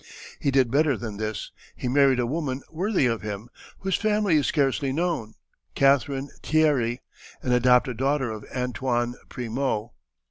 He did better than this, he married a woman worthy of him, whose family is scarcely known, Catherine Tierry, an adopted daughter of Antoine Primot.